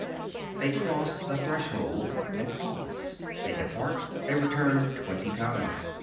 They cross the threshold, and pause; they depart, they return twenty times.